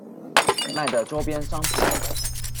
賣的週邊商品